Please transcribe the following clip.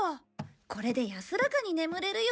これで安らかに眠れるよ。